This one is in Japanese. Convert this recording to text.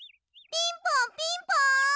ピンポンピンポン！